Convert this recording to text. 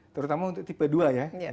terutama untuk tipe dua ya